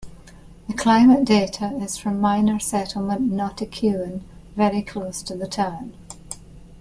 The climate data is from minor settlement Notikewin very close to the town.